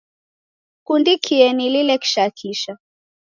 Sikundikie nilile kisha kisha